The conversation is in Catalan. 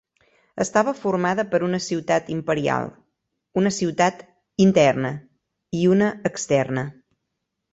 Estava formada per una ciutat imperial, una ciutat interna i una externa.